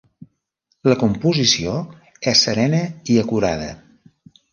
La composició és serena i acurada.